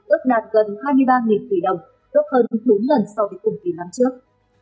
ước đạt gần hai mươi ba tỷ đồng gấp hơn bốn lần so với cùng kỳ năm trước